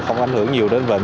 không ảnh hưởng nhiều đến vịnh